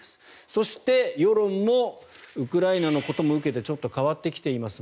そして、世論もウクライナのことを受けてちょっと変わってきています。